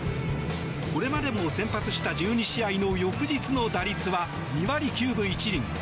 これまでも先発した１２試合の翌日の打率は２割９分１厘。